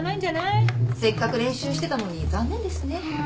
せっかく練習してたのに残念ですね。